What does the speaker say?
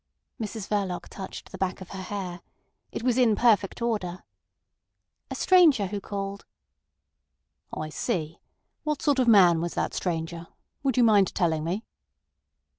Mrs Verloc touched the back of her hair. It was in perfect order. "A stranger who called." "I see. What sort of man was that stranger? Would you mind telling me?"